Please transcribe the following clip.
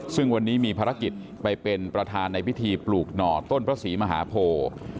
ซึ่งวันนี้มีภารกิจไปเป็นประธานในพิธีปลูกหน่อต้นพระศรีมหาโพ